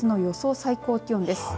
最高気温です。